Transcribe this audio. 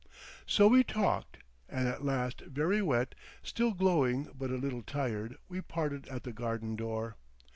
So we talked; and at last very wet, still glowing but a little tired, we parted at the garden door.